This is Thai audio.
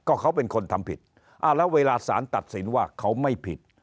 ก็เขาเป็นคนทำผิดอ่าแล้วเวลาสารตัดสินว่าเขาไม่ผิด